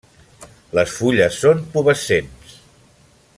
Les fulles són pubescents.